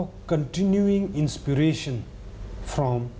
จากภาพที่ต้องกลัวจากภาพที่ต้องกลัว